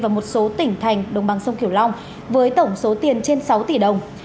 và một số tỉnh thành đồng bằng sông kiểu long với tổng số tiền trên sáu tỷ đồng